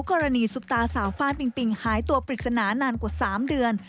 ซุปตาสาวฟาดปิงปิงหายตัวปริศนานานกว่า๓เดือน